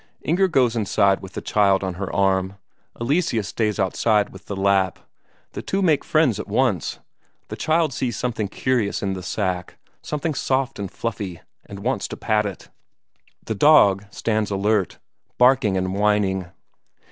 Inger goes inside with the child on her arm; Eleseus stays outside with the Lapp. The two make friends at once; the child sees something curious in the sack, something soft and fluffy, and wants to pat it. The dog stands alert, barking and whining.